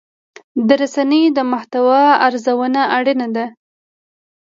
د رسنیو د محتوا ارزونه اړینه ده.